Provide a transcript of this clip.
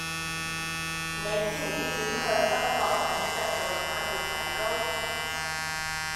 你知唔知點去北角孔雀道嗰間缽仔糕